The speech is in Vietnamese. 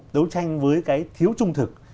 đấu tranh với cái thiếu trung thực